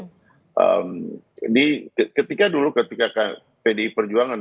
ketika dulu ketika pdi perjuangan